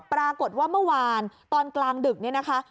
ปรากฏว่าเมื่อวานตอนกลางดึกเนี่ยนะคะ